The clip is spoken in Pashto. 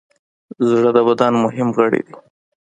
زړه د بدن مهم غړی دی.